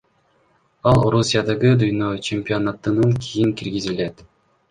Ал Орусиядагы дүйнө чемпионатынан кийин киргизилет.